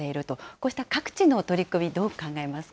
こうした各地の取り組み、どう考